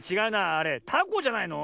あれたこじゃないの？